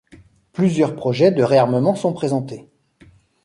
Plusieurs projets de réarmement sont présentés.